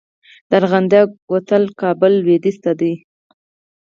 د ارغندې کوتل کابل لویدیځ ته دی